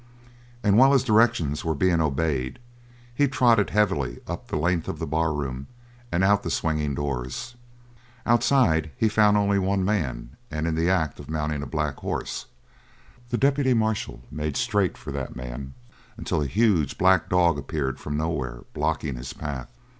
And while his directions were being obeyed he trotted heavily up the length of the barroom and out the swinging doors. Outside, he found only one man, and in the act of mounting a black horse; the deputy marshal made straight for that man until a huge black dog appeared from nowhere blocking his path.